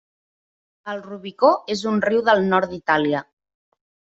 El Rubicó és un riu del nord d'Itàlia.